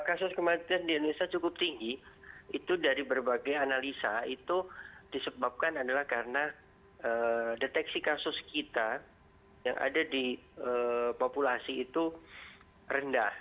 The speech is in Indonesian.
kasus kematian di indonesia cukup tinggi itu dari berbagai analisa itu disebabkan adalah karena deteksi kasus kita yang ada di populasi itu rendah